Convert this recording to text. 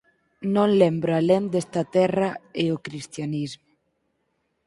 Non lembro alén desta terra e o cristianismo.